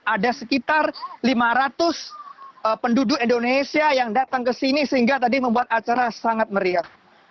ada sekitar lima ratus penduduk indonesia yang datang ke sini sehingga tadi membuat acara sangat meriah